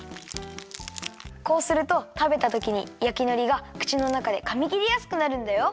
こうするとたべたときに焼きのりがくちのなかでかみきりやすくなるんだよ。